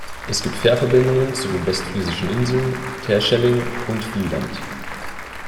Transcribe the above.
Es gibt Fährverbindungen zu den Westfriesischen Inseln Terschelling und Vlieland.